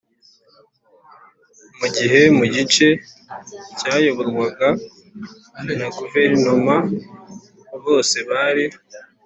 mu gihe mu gice cyayoborwaga na guverinoma bose bari